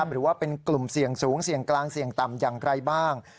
หรือว่าเป็นกลุ่มเสี่ยงสูงเสี่ยงกลางเสี่ยงต่ำอย่างไรบ้าง